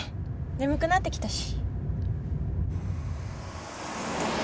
眠くなってきたし。